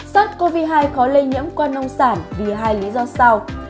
sars cov hai khó lây nhiễm qua nông sản vì hai lý do sau